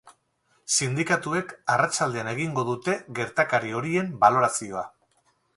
Sindikatuek arratsaldean egingo dute gertakari horien balorazioa.